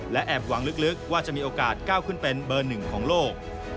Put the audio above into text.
และแอบหวังลึกว่าจะมีโอกาสก้าวขึ้นเป็นเบอร์หนึ่งของโลก